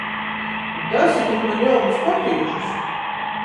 Dasitit maņ jaunus papīžus!